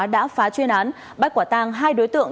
đã phá chuyên án bắt quả tang hai đối tượng